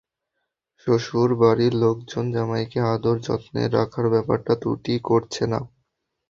শ্বশুর বাড়ির লোকজন জামাইকে আদর যত্নে রাখার ব্যাপারে ত্রুটি করছে না।